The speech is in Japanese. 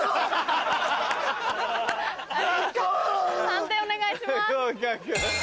判定お願いします。